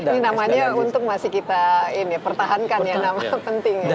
ini namanya untuk masih kita ini ya pertahankan ya nama pentingnya